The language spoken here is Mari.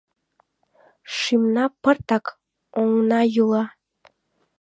Шӱмна пыртка, оҥна йӱла, —